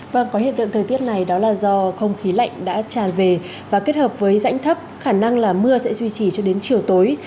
vâng có hiện tượng thời tiết này đó là do không khí lạnh đã tràn về và kết hợp với rãnh thấp khả năng là mưa sẽ duy trì cho đến chiều tối